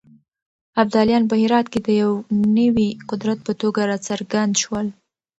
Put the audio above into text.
ابدالیان په هرات کې د يو نوي قدرت په توګه راڅرګند شول.